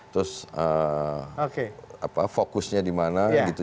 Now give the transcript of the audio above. terus fokusnya di mana gitu